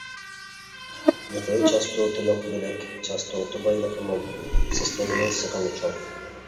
يۇقىرى چاستوتىلىق بۆلەك چاستوتا بايلىقى مول، سىستېمىنىڭ سىغىمى چوڭ.